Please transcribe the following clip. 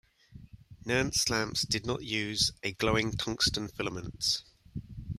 Nernst lamps did not use a glowing tungsten filament.